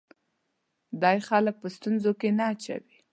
دی خلک په ستونزو کې نه اچوي.